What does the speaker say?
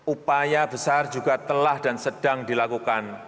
upaya besar juga telah dan sedang dilakukan